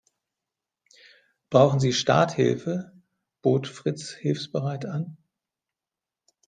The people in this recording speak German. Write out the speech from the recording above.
Brauchen Sie Starthilfe?, bot Fritz hilfsbereit an.